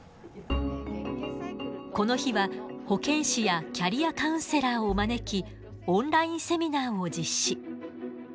この日は保健師やキャリアカウンセラーを招きオンラインセミナーを実施。